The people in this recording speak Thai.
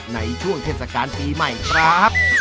ในช่วงเทศกาลปีใหม่ครับ